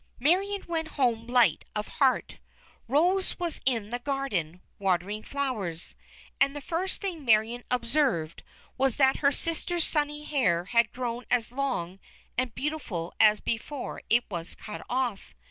Marion went home light of heart. Rose was in the garden, watering flowers. And the first thing Marion observed was that her sister's sunny hair had grown as long and beautiful as before it was cut off.